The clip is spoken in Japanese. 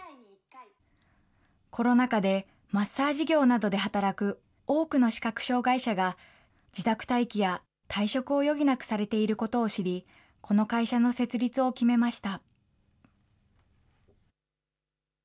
コロナ禍でマッサージ業などで働く多くの視覚障害者が、自宅待機や退職を余儀なくされていることを知り、この会社の設立を決めました。